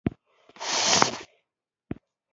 د اوږدوالي او ملي سطحې کردار ته یې سوچ وکړې.